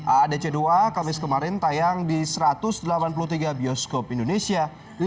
aadc dua kamis kemarin tayang di satu ratus delapan puluh tiga bioskop indonesia